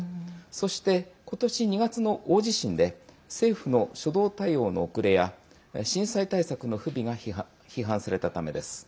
そして今年２月の大地震で政府の初動対応の遅れや震災対策の不備が批判されたためです。